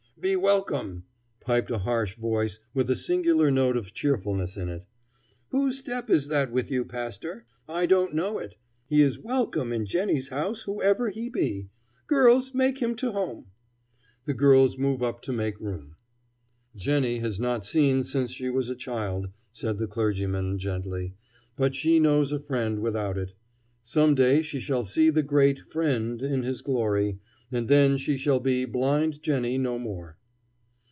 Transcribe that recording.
"Be welcome," piped a harsh voice with a singular note of cheerfulness in it. "Whose step is that with you, pastor? I don't know it. He is welcome in Jennie's house, whoever he be. Girls, make him to home." The girls moved up to make room. "Jennie has not seen since she was a child," said the clergyman, gently; "but she knows a friend without it. Some day she shall see the great Friend in his glory, and then she shall be Blind Jennie no more."